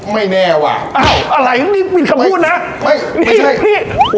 ไม่แน่ว่ะอ้าวอะไรนี่ปิดคำพูดนะไม่ไม่ใช่นี่พี่